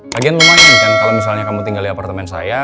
lagian lumayan kan kalau misalnya kamu tinggal di apartemen saya